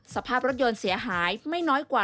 สภาพรถยนต์เสียหายไม่น้อยกว่า